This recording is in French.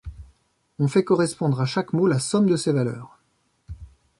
On fait correspondre à chaque mot, la somme de ces valeurs.